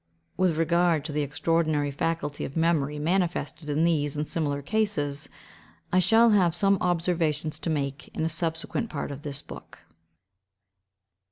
With regard to the extraordinary faculty of memory manifested in these and similar cases, I shall have some observations to make in a subsequent part of this book.